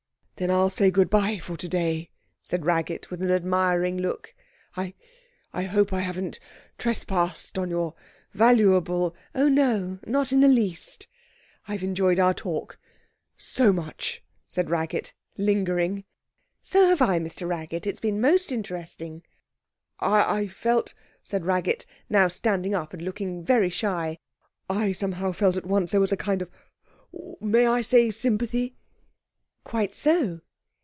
'Then I'll say good bye for today,' said Raggett, with an admiring look. 'I I hope I haven't trespassed on your valuable ' 'Oh, no; not in the least.' 'I've enjoyed our talk so much,' said Raggett, lingering. 'So have I, Mr Raggett. It has been most interesting.' 'I I felt,' said Raggett, now standing up and looking very shy, 'I somehow felt at once that there was a kind of may I say, sympathy?' 'Quite so.'